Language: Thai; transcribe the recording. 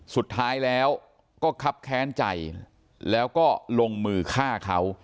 สุดท้ายแล้วก็คับแค้นใจแล้วก็ลงมือฆ่าเขา